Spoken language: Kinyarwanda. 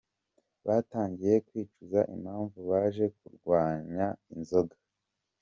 Batangiye kwicuza impamvu baje kunywa inzoga.